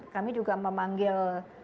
kami juga memanggil